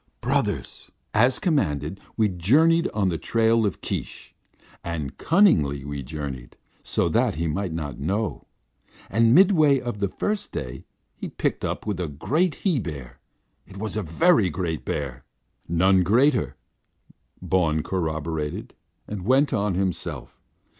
"Brothers! As commanded, we journeyed on the trail of Keesh, and cunningly we journeyed, so that he might not know. And midway of the first day he picked up with a great he bear. It was a very great bear." "None greater," Bawn corroborated, and went on himself.